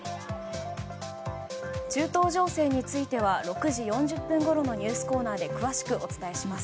中東情勢については６時４０分ごろのニュースコーナーで詳しくお伝えします。